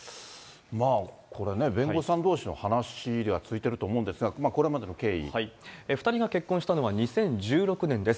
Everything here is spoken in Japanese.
まあ、これね、弁護士さんどうしの話が続いていると思うんですが、これまでの経２人が結婚したのは２０１６年です。